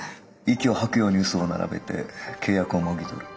息を吐くように嘘を並べて契約をもぎ取る。